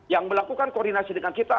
yang melakukan koordinasi dengan kita